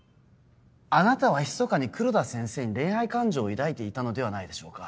あなたはひそかに黒田先生に恋愛感情を抱いていたのではないでしょうか？